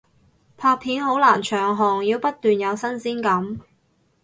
拍片好難長紅，要不斷有新鮮感